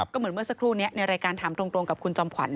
ก็เหมือนเมื่อสักครู่นี้ในรายการถามตรงกับคุณจอมขวัญ